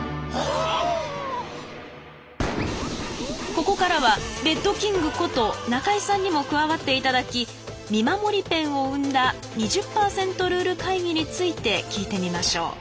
ここからはレッドキングこと中井さんにも加わっていただき見守りペンを生んだ２０％ルール会議について聞いてみましょう。